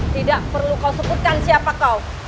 tidak perlu kau sebutkan siapa kau